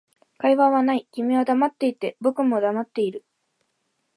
会話はない、君は黙っていて、僕も黙っている